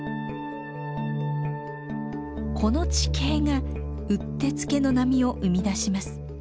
この地形がうってつけの波を生み出します。